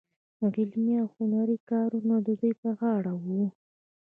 علمي او هنري کارونه د دوی په غاړه وو.